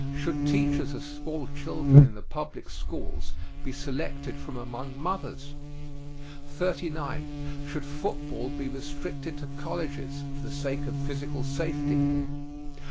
Should teachers of small children in the public schools be selected from among mothers? 39. Should football be restricted to colleges, for the sake of physical safety?